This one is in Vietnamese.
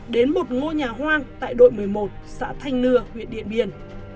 đến một ngôi nhà hoang tại đội một mươi một xã thanh nưa huyện điện biên